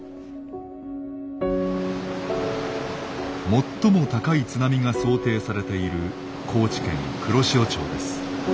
最も高い津波が想定されている高知県黒潮町です。